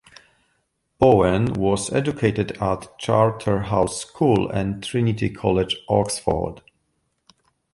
Bowen was educated at Charterhouse School and Trinity College, Oxford.